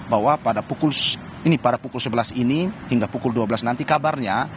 bahwa pada pukul sebelas ini hingga pukul dua belas nanti kabarnya